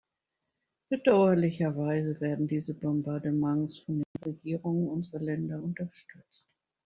Bedauerlicherweise werden diese Bombardements von den Regierungen unserer Länder unterstützt.